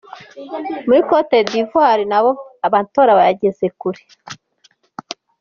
Muri Cote d’Ivoire nabo amatora bayageze kure.